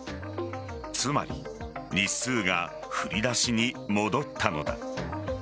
つまり日数が振り出しに戻ったのだ。